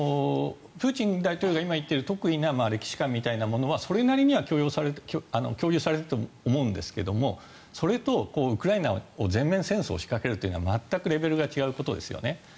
プーチン大統領が今言っている特異な歴史観みたいなものはそれなりに共有されると思うんですがそれとウクライナに全面戦争を仕掛けるのは全くレベルが違うことですよね。